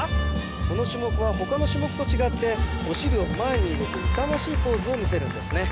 この種目は他の種目と違ってお尻を前に入れて勇ましいポーズを見せるんですね